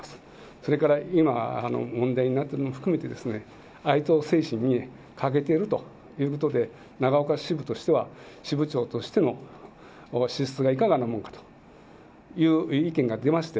それから今、問題になっていることも含めて、愛党精神に欠けているということで、長岡支部としては、支部長としての資質がいかがなものかという意見が出まして。